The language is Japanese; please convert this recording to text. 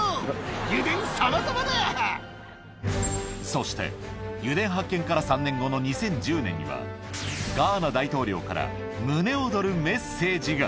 油田そして、油田発見から３年後の２０１０年には、ガーナ大統領から胸躍るメッセージが。